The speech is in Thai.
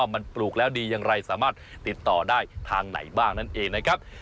มันปลูกแล้วดีอย่างไรสามารถติดต่อได้ทางไหนบ้างนั่นเองนะครับ